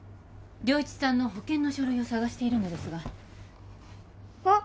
良一さんの保険の書類を探しているのですがあっ